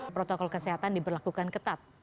protokol kesehatan diberlakukan ketat